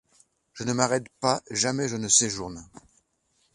Je ne m'arrête pas, jamais je ne séjourne ;